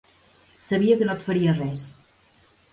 Sabia que no et faria res.